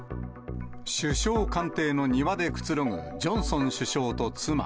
首相官邸の庭でくつろぐジョンソン首相と妻。